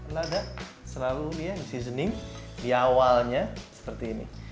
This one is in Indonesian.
lada selalu ya di seasoning di awalnya seperti ini